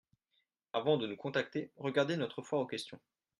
Avant de nous contacter, regardez notre foire aux questions.